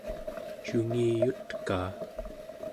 cungiyutkaa